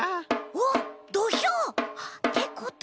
おっどひょう！ってことは。